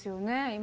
今。